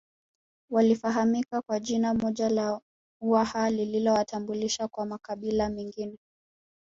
Walifahamika kwa jina moja la Uwaha lililowatambulisha kwa makabila mengine